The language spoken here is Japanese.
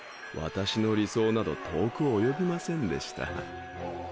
私の理想など遠く及びませんでした。